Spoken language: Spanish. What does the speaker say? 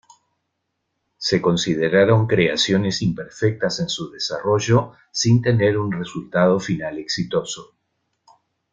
Se consideraron creaciones imperfectas en su desarrollo sin tener un resultado final exitoso.